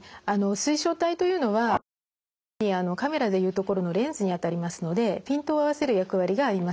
水晶体というのは主にカメラで言うところのレンズにあたりますのでピントを合わせる役割があります。